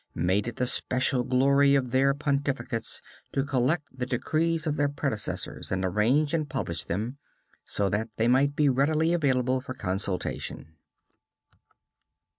made it the special glory of their pontificates to collect the decrees of their predecessors and arrange and publish them, so that they might be readily available for consultation.